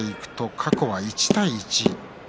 過去は１対１です。